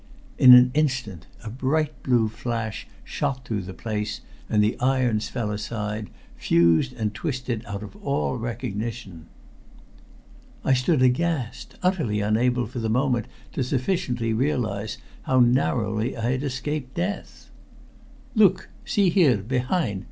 In an instant a bright blue flash shot through the place, and the irons fell aside, fused and twisted out of all recognition. I stood aghast, utterly unable for the moment to sufficiently realize how narrowly I had escaped death. "Look! See here, behind!"